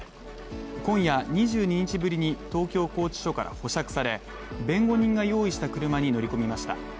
今夜２２日ぶりに東京拘置所から保釈され、弁護人が用意した車に乗り込みました。